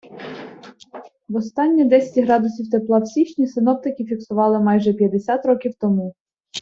Востаннє десять градусів тепла в січні синоптики фіксували майже п'ятдесят років тому.